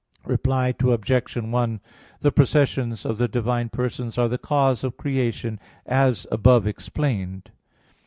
Reply Obj. 1: The processions of the divine Persons are the cause of creation, as above explained.